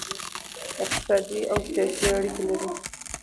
اقتصادي او سیاسي اړیکې لري